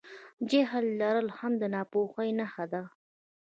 جهل لرل هم د ناپوهۍ نښه ده.